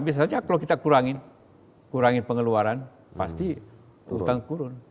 biasanya kalau kita kurangin pengeluaran pasti utang turun